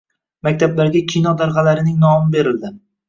Maktablarga kino darg‘alarining nomi berildi